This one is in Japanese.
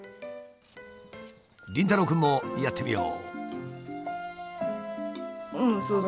凛太郎くんもやってみよう。